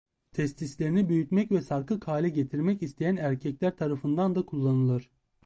Testislerini büyütmek ve sarkık hale getirmek isteyen erkekler tarafından da kullanılır.